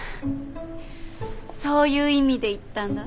そういう意味で言ったんだ？